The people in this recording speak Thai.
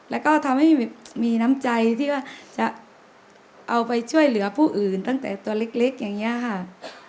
แล้วก็ทำให้มีน้ำใจที่ว่าจะเอาไปช่วยเหลือผู้อื่นตั้งแต่ตัวเล็กอย่างนี้ค่ะ